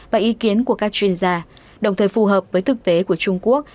và ý kiến của các chuyên gia đồng thời phù hợp với thực tế của trung quốc